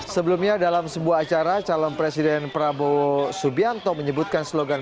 sebelumnya dalam sebuah acara calon presiden prabowo subianto menyebutkan slogan